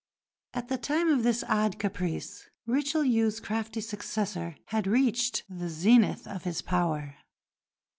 At the time of this odd caprice, Richelieu's crafty successor had reached the zenith of his power.